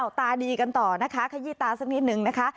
ตาดีกันต่อนะคะขยี้ตาสักนิดนึงนะคะ